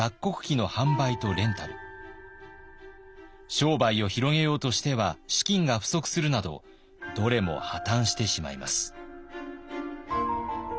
商売を広げようとしては資金が不足するなどどれも破綻してしまいます。